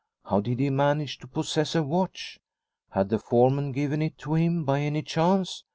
How did he manage to possess a watch ? Had the foreman given it to him by any chance